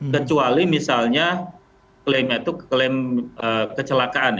kecuali misalnya klaimnya itu klaim kecelakaan